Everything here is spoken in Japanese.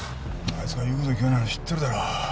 あいつが言うこと聞かないの知ってるだろ。